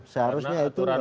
seharusnya itu dulu